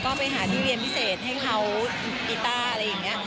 ก็ไปหาที่เรียนพิเศษให้เขากีต้าอะไรอย่างนี้